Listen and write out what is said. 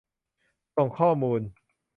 ส่งข้อมูล